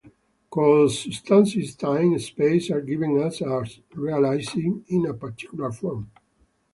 Cause, substance, time, space, are given us as realized in a particular form.